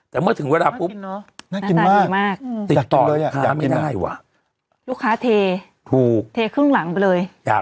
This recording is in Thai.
แต่เมื่อถึงเวลาน่ากินมากลูกค้าเทถูกเทครึ่งหลังไปเลย